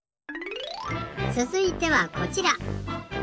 つづいてはこちら。